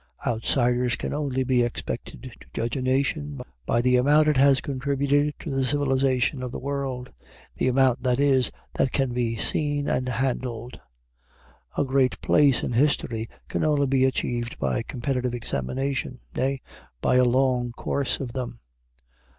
Outsiders can only be expected to judge a nation by the amount it has contributed to the civilization of the world; the amount, that is, that can be seen and handled. A great place in history can only be achieved by competitive examinations, nay, by a long course of them.